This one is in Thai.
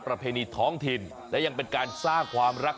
ประเพณีท้องถิ่นและยังเป็นการสร้างความรัก